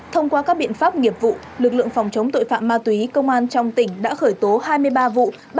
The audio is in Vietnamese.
thông qua các biện pháp nghiệp vụ lực lượng phòng chống tội phạm ma túy công an trong tỉnh đã khởi tố hai mươi ba vụ